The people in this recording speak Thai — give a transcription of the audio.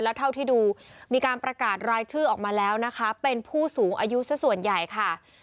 แล้วเท่าที่ดูมีการประกาศรายชื่อออกมาแล้วนะคะเป็นผู้สูงอายุสักส่วนใหญ่ค่ะ